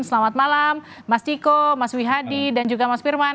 selamat malam mas ciko mas wihadi dan juga mas firman